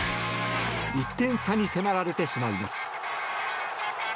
１点差に迫られてしまいます。